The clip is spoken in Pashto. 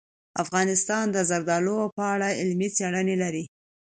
افغانستان د زردالو په اړه علمي څېړنې لري.